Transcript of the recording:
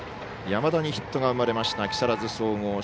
山田にヒットが生まれた木更津総合。